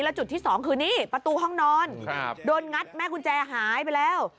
และจุดที่สองคือนี่ประตูห้องนอนโดนงัดแม่กุญแจหายไปแล้ว